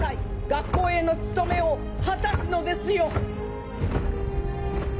学校への務めを果たすのですよ